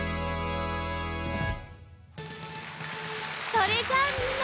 それじゃあみんな！